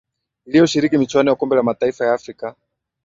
iliyoshiriki michuano ya kombe la mataifa ya afrika